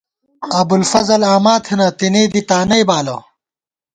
ابوالفضل آما تھنہ ، تېنے دی تانئی بالہ